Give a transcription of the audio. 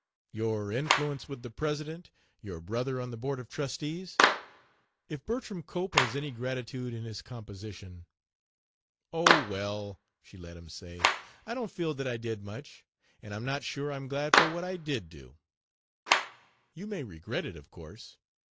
Your influence with the president, your brother on the board of trustees ... If Bertram Cope has any gratitude in his composition...." "Oh, well," she let him say, "I don't feel that I did much; and I'm not sure I'm glad for what I did do." "You may regret it, of course.